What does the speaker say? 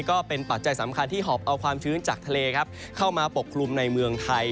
ปัจจัยสำคัญที่หอบเอาความชื้นจากทะเลเข้ามาปกคลุมในเมืองไทย